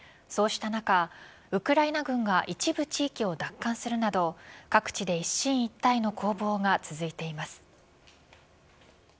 そうした中、ウクライナ軍が一部地域を奪還するなど各地で一進一退の攻防が続いています。